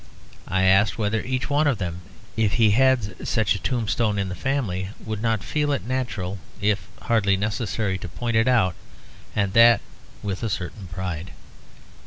I asked whether each one of them, if he had such a tombstone in the family, would not feel it natural, if hardly necessary, to point it out; and that with a certain pride.